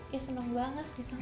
ya senang banget gitu